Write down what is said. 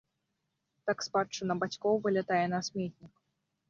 Так спадчына бацькоў вылятае на сметнік.